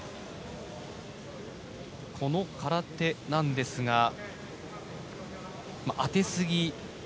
この空手なんですが当てすぎ。